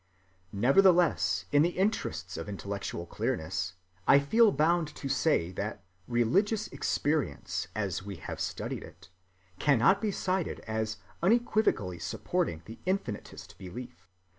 Nevertheless, in the interests of intellectual clearness, I feel bound to say that religious experience, as we have studied it, cannot be cited as unequivocally supporting the infinitist belief.